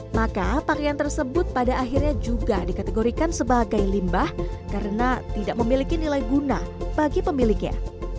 maka pakaian tersebut pada akhirnya juga dikategorikan sebagai limbah karena tidak memiliki nilai guna bagi pemiliknya